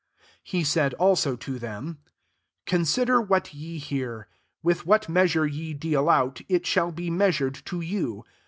24 He said also to them, " Consider what ye hear : with what measure ye deal out, it shall be measured to you.